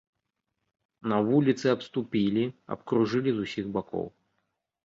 На вуліцы абступілі, абкружылі з усіх бакоў.